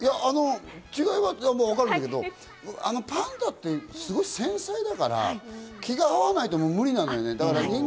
違いはわかるんだけれども、パンダってすごく繊細だから気が合わないと、もう無理なのよね。